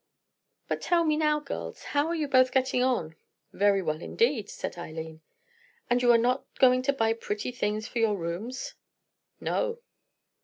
But tell me now, girls, how you are both getting on?" "Very well, indeed," said Eileen. "And you are not going to buy pretty things for your rooms?" "No."